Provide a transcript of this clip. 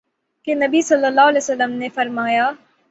کہ نبی صلی اللہ علیہ وسلم نے فرمایا